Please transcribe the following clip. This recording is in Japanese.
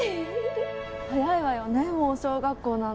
早いわよねもう小学校なんて。